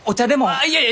あっいやいや！